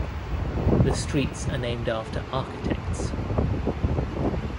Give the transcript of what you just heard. The streets are named after architects.